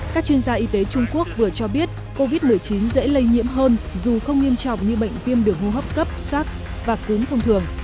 các chuyên gia y tế trung quốc vừa cho biết covid một mươi chín dễ lây nhiễm hơn dù không nghiêm trọng như bệnh viêm đường hô hấp cấp sắc và cứng thông thường